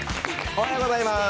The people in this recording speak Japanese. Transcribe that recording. おはようございます。